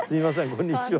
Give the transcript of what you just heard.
こんにちは。